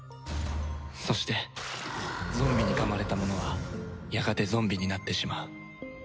そしてゾンビに噛まれた者はやがてゾンビになってしまう